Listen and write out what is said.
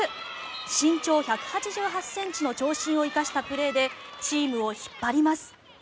身長１８８ｃｍの長身を生かしたプレーでチームを引っ張ります。